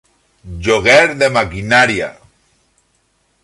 Lloguer de maquinària.